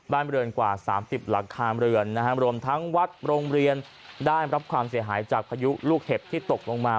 บ้านเรือนกว่า๓๐หลังคาเรือนรวมทั้งวัดโรงเรียนได้รับความเสียหายจากพายุลูกเห็บที่ตกลงมา